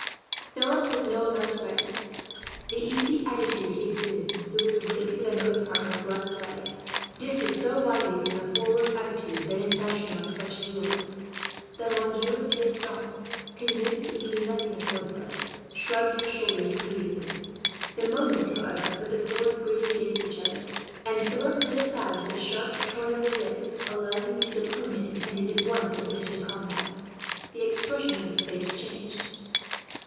Philip was no less ready. The easy attitude he assumed, with his weight for the most part on his left leg, differed so widely from the forward attitude then in fashion among French duellists, that Monsieur D'Estanges, convinced that he knew nothing of swordplay, shrugged his shoulders pityingly. The moment, however, that the swords grated against each other; and Philip put aside, with a sharp turn of the wrist, a lunge with which his opponent intended at once to finish the combat, the expression of his face changed.